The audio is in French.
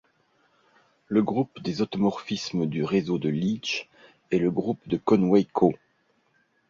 Le groupe des automorphismes du réseau de Leech est le groupe de Conway Co.